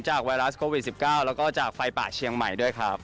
ไวรัสโควิด๑๙แล้วก็จากไฟป่าเชียงใหม่ด้วยครับ